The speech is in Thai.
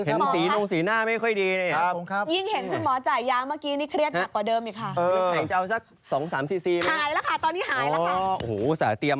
เห็นสีหน้าไม่ค่อยดีนะเนี่ย